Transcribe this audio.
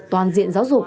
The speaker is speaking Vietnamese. toàn diện giáo dục